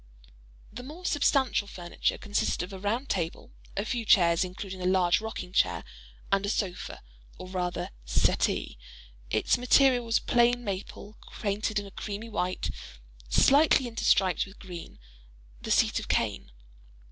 The more substantial furniture consisted of a round table, a few chairs (including a large rocking chair), and a sofa, or rather "settee;" its material was plain maple painted a creamy white, slightly interstriped with green; the seat of cane.